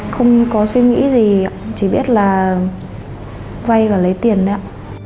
không có suy nghĩ gì chỉ biết là vay và lấy tiền ạ